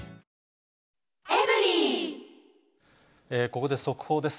ここで速報です。